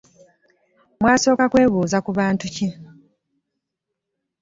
Mwasooka kwebuuza ku bantu ki?